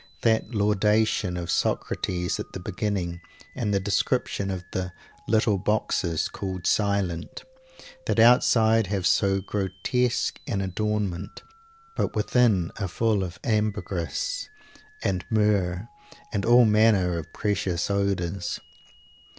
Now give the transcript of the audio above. That laudation of Socrates at the beginning, and the description of the "little boxes called Silent" that outside have so grotesque an adornment, but within are full of ambergris and myrrh and all manner of precious odours.